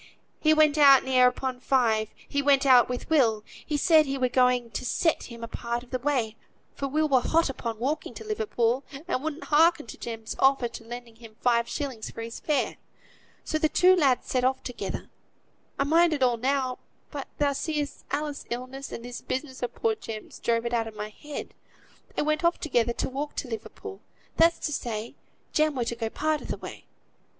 he went out near upon five; he went out with Will; he said he were going to set him a part of the way, for Will were hot upon walking to Liverpool, and wouldn't hearken to Jem's offer of lending him five shilling for his fare. So the two lads set off together. I mind it all now; but, thou seest, Alice's illness, and this business of poor Jem's, drove it out of my head; they went off together, to walk to Liverpool; that's to say, Jem were to go a part o' th' way.